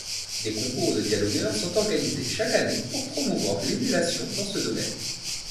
Des concours de dialogueurs sont organisés chaque année pour promouvoir l'émulation dans ce domaine.